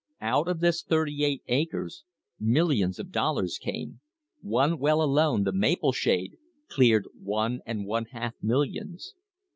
Out of this thirty eight acres millions of dollars came; one well alone — Ie Mapleshade — cleared one and one half millions.